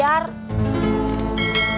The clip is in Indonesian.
aku ini kena balik